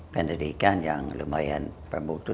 pendidikan yang lumayan bermudu